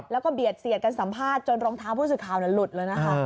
แล้วก็เบียดเสียดกันสัมภาษณ์จนรองเท้าผู้สื่อข่าวหลุดเลยนะคะ